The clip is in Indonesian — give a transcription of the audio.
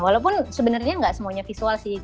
walaupun sebenarnya nggak semuanya visual sih